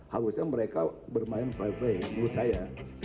harusnya mereka bermain fly fly menurut saya